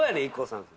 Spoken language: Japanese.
ＩＫＫＯさん」